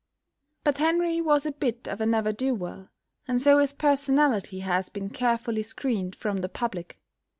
But Henry was a bit of a ne'er do well, and so his personality has been carefully screened from the public.